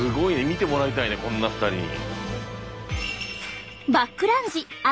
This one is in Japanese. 見てもらいたいねこんな２人に。